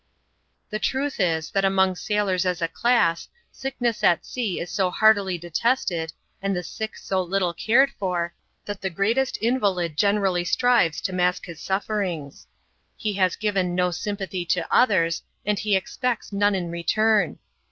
The truth is, that among sailors as a class, sickness at sea is so heartily detested, and the sick so little cared for, that the greatest invalid generally strives to mask his sufferings. He has given no sympathy to others, and he expects none in return.